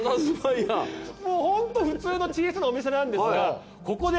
もうホント普通の小さなお店なんですがここで。